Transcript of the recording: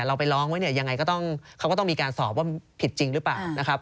เราไปร้องไว้ยังไงเขาก็ต้องมีการสอบว่าผิดจริงหรือเปล่า